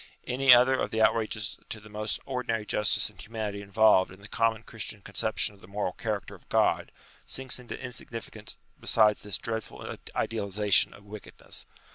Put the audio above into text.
Any other of the outrages to the most ordinary justice and humanity involved in the common Christian con ception of the moral character of God, sinks inta insignificance beside this dreadful idealization of wickedness.